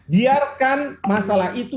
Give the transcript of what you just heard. biarkan masalah itu